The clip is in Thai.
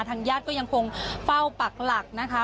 ทางญาติก็ยังคงเฝ้าปักหลักนะคะ